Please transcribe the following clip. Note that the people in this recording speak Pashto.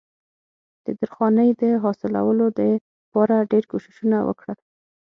د درخانۍ د حاصلولو د پاره ډېر کوششونه وکړل